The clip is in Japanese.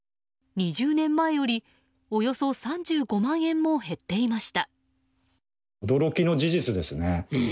２０年前よりおよそ３５万円も減っていました。